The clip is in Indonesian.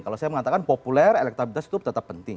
kalau saya mengatakan populer elektabilitas itu tetap penting